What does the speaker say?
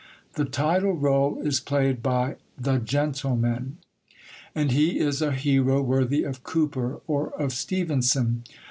The title rôle is played by The Gentleman, and he is a hero worthy of Cooper or of Stevenson.